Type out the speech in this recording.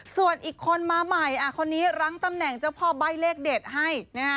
ส่วนอีกคนมาใหม่คนนี้รั้งตำแหน่งเจ้าพ่อใบ้เลขเด็ดให้นะฮะ